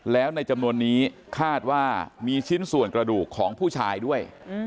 แล้วในจำนวนนี้คาดว่ามีชิ้นส่วนกระดูกของผู้ชายด้วย